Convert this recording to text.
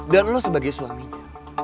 dan lu sebagai suaminya